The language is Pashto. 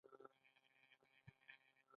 • د انګورو ونې په تاکو وده کوي.